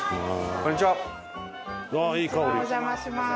お邪魔します。